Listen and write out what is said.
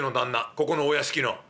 ここのお屋敷の。